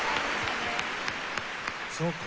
そうか。